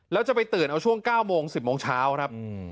แล้วจะไปตื่นเอาช่วง๙โมง๑๐โมงเช้าครับ